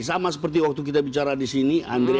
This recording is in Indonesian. sama seperti waktu kita bicara di sini andre